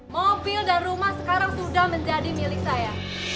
mobil dan rumah sekarang sudah menjadi milik saya